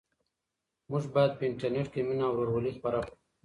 موږ باید په انټرنيټ کې مینه او ورورولي خپره کړو.